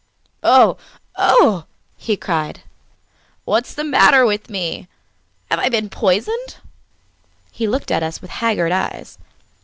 "Oh! Oh!" he cried. "What is the matter with me? Have I been poisoned?" He looked at us with haggard eyes.